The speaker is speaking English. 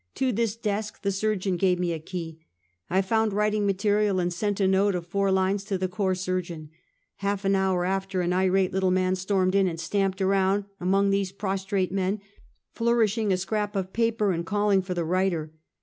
To this desk the surgeon gave me a key. I found writing material, and sent a note of four lines to the Corps Surgeon. Half an hour after, an irate little man stormed in and stamped around among those prostrate men, flourishing a scrap of paper and calling for the writer.